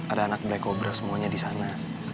ada anak black kobra semuanya di sana